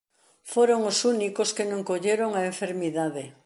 Foron os únicos que non colleron a enfermidade.